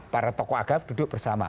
para tokoh agama duduk bersama